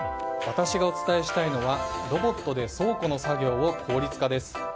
私がお伝えしたいのはロボットで倉庫の作業を効率化です。